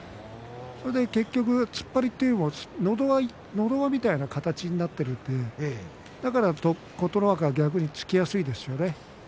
結局、突っ張りといってものど輪みたいな形になっているんでだから琴ノ若は逆に突きやすいですよね。